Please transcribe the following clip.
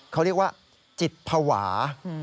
เขาเรียกว่าจิตภาวะ